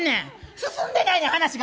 進んでないねん、話が！